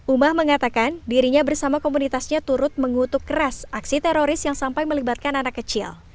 umah mengatakan dirinya bersama komunitasnya turut mengutuk keras aksi teroris yang sampai melibatkan anak kecil